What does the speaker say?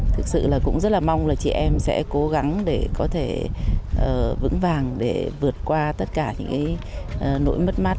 thực sự là cũng rất là mong là chị em sẽ cố gắng để có thể vững vàng để vượt qua tất cả những cái nỗi mất mát